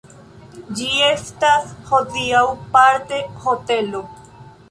Ĝi estas hodiaŭ parte hotelo.